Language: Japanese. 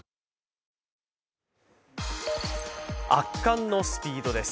圧巻のスピードです。